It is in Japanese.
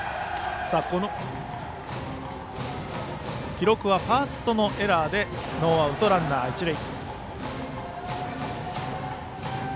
記録はファーストのエラーでノーアウトランナー、一塁。